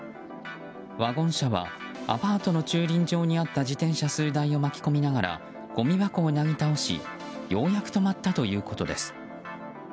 ワゴン車はアパートの駐輪場にあった自転車数台を巻き込みながらごみ箱をなぎ倒しようやく止まったということです。